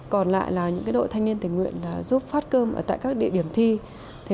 còn lại là những đội thanh niên tỉnh nguyện là giúp phát cơm ở tại các địa điểm thi